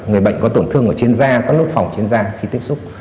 người bệnh có tổn thương ở trên da các nốt phòng trên da khi tiếp xúc